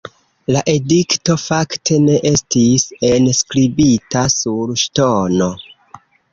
La edikto fakte ne estis enskribita sur ŝtono.